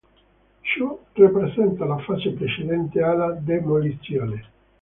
Ciò rappresenta la fase precedente alla demolizione.